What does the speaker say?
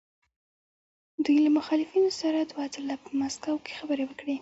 دوی له مخالفینو سره دوه ځله په مسکو کې خبرې وکړې.